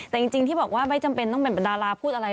แต่จริงที่บอกว่าไม่จำเป็นต้องเป็นดาราพูดอะไร